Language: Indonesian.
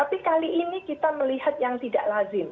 tapi kali ini kita melihat yang tidak lazim